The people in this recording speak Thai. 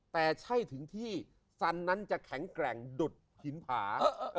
แต่ใช่ถึงที่สันนั้นจะแข็งแกร่งดุดหินผา